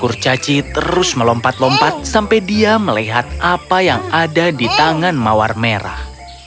kurcaci terus melompat lompat sampai dia melihat apa yang ada di tangan mawar merah